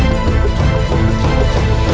rai subang larang